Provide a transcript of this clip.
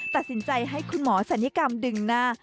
ตัดสินใจให้คุณหมอศัลยกรรมดึงหน้า